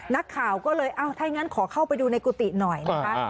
นักข่าวก็เลยถ้าอย่างนั้นขอเข้าไปดูในกุฏิหน่อยนะคะ